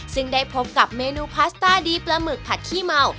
ซึ่งได้พบกับเมนูพาสต้าดีปลาหมึกผัดขี้เมา